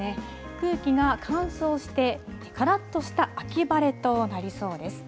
空気が乾燥して、からっとした秋晴れとなりそうです。